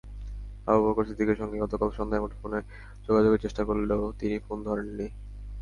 আবু বকর সিদ্দিকের সঙ্গে গতকাল সন্ধ্যায় মুঠোফোনে যোগাযোগের চেষ্টা করলেও তিনি ফোন ধরেননি।